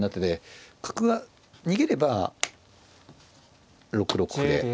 角が逃げれば６六歩で。